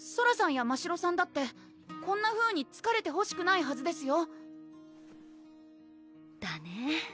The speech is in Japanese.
やましろさんだってこんなふうにつかれてほしくないはずですよだね